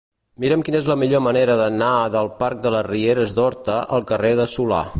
Mira'm quina és la millor manera d'anar del parc de les Rieres d'Horta al carrer de Solà.